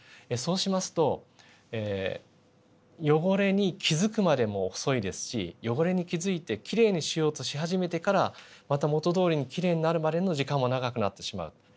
そうしますと汚れに気づくまでも遅いですし汚れに気づいてきれいにしようとし始めてからまた元どおりにきれいになるまでの時間も長くなってしまう。